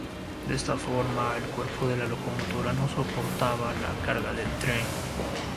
De esta forma el cuerpo de la locomotora no soportaba la carga del tren.